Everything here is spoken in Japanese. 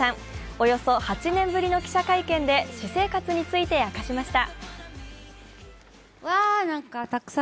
およそ８年ぶりの記者会見で私生活について明かしました。